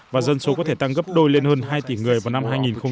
và dân số có thể tăng gấp đôi lên hơn hai tỷ người vào năm hai nghìn ba mươi